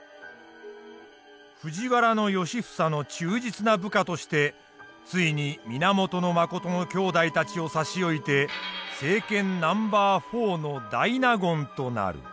藤原良房の忠実な部下としてついに源信の兄弟たちを差し置いて政権ナンバー４の大納言となる。